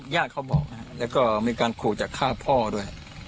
ญาติเขาบอกแล้วก็มีการขู่จะฆ่าพ่อด้วย